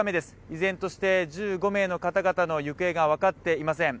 依然として１５名の方々の行方が分かっていません。